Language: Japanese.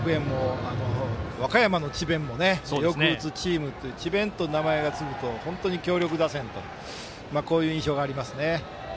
和歌山の智弁もよく打つチームという智弁という名前がつくと強力打線というこういう印象がありますね。